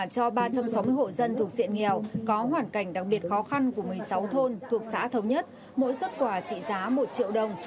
cho ba trăm sáu mươi hộ dân thuộc diện nghèo có hoàn cảnh đặc biệt khó khăn của một mươi sáu thôn thuộc xã thống nhất mỗi xuất quà trị giá một triệu đồng